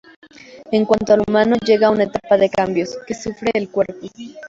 Es cuando el humano, llega a una etapa de cambios, que sufre el cuerpo.